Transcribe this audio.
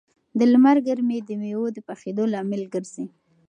د لمر ګرمي د مېوو د پخېدو لامل ګرځي.